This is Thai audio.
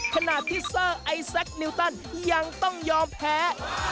ขณะที่เซอร์ไอแซคนิวตันยังต้องยอมแพ้